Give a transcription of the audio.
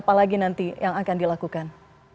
apalagi nanti yang akan dilakukan